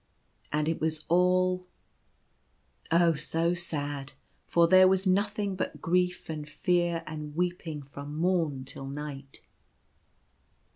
And it was all, oh ! so sad, for there was nothing but grief and fear and weeping from morn till night.